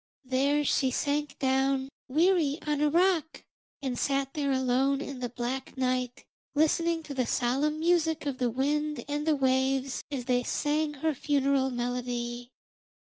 There she sank down, weary, on a rock, and sat there alone in the black night, listening to the solemn music of the wind and the waves, as they sang her funeral melody.